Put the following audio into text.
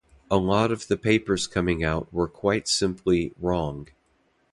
A lot of the papers coming out were quite simply wrong.